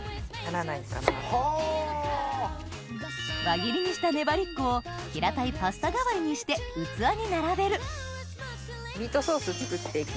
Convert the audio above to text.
輪切りにしたねばりっこを平たいパスタ代わりにして器に並べるミートソース作って行きます。